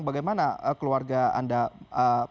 bagaimana keluarga anda menanggapnya